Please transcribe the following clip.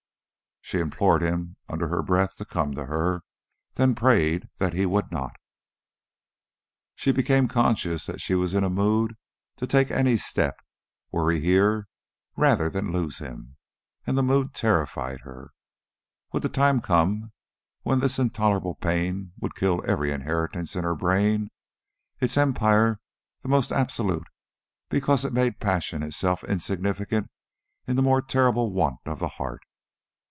She implored him under her breath to come to her, then prayed that he would not.... She became conscious that she was in a mood to take any step, were he here, rather than lose him; and the mood terrified her. Would the time come when this intolerable pain would kill every inheritance in her brain, its empire the more absolute because it made passion itself insignificant in the more terrible want of the heart?